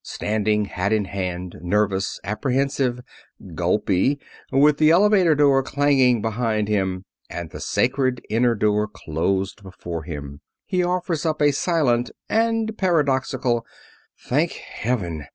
Standing hat in hand, nervous, apprehensive, gulpy, with the elevator door clanging behind him, and the sacred inner door closed before him, he offers up a silent and paradoxical "Thank heaven!"